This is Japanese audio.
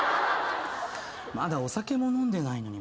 まだお酒も飲んでないのに。